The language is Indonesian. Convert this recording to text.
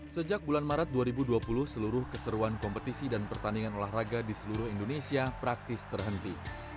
sejak bulan maret dua ribu dua puluh seluruh keseruan kompetisi dan pertandingan olahraga di seluruh indonesia praktis terhenti